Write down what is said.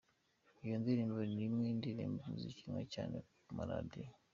Iyo ndirimbo ni imwe ndirimbo zikinwa cyane ku ma radio.